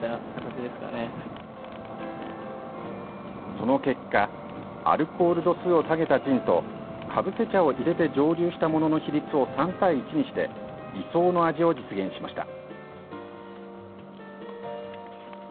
その結果アルコール度数を下げたジンとかぶせ茶を入れて蒸留したものの比率を３対１にして理想の味を実現しました。